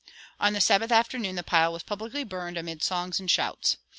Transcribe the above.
On the Sabbath afternoon the pile was publicly burned amid songs and shouts.